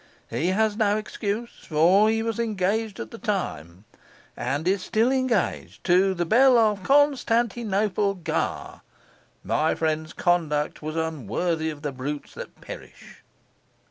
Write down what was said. He has no excuse; for he was engaged at the time and is still engaged to the belle of Constantinople, Ga. My friend's conduct was unworthy of the brutes that perish.